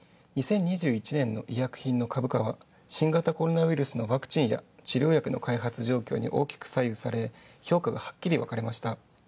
２０２１年の医薬品の株価は新型コロナウイルスのワクチンや治療薬の開発状況に大きく左右され、評価がはっきり分かれました。